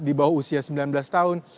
di bawah usia sembilan belas tahun